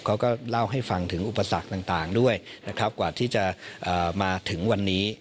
เขาก็เล่าให้ฟังถึงอุปสรรคต่างด้วยนะครับกว่าที่จะมาถึงวันนี้